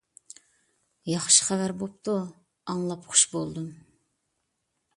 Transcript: ياخشى خەۋەر بوپتۇ، ئاڭلاپ خۇش بولدۇم.